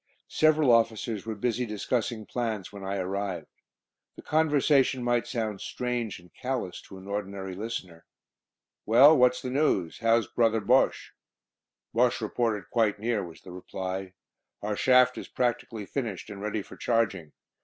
Several officers were busy discussing plans when I arrived. The conversation might sound strange and callous to an ordinary listener. "Well, what's the news? How's Brother Bosche?" "Bosche reported quite near," was the reply. "Our shaft is practically finished, and ready for charging.